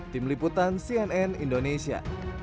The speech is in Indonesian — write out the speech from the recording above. tim liputan cnn indonesia